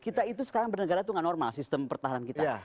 kita itu sekarang bernegara itu nggak normal sistem pertahanan kita